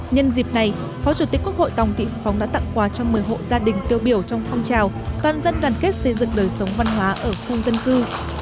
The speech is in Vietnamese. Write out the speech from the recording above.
nhân dịp này phó chủ tịch quốc hội tòng thị phóng đã tặng quà cho một mươi hộ gia đình tiêu biểu trong phong trào toàn dân đoàn kết xây dựng đời sống văn hóa ở khu dân cư